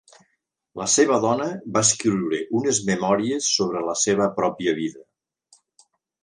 La seva dona va escriure unes memòries sobre la seva pròpia vida.